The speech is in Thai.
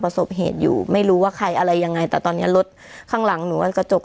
สบเหตุอยู่ไม่รู้ว่าใครอะไรยังไงแต่ตอนนี้รถข้างหลังหนูว่ากระจก